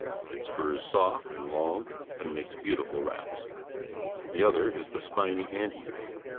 Its fur is soft and long and makes beautiful wraps. The other is the spiny ant eater.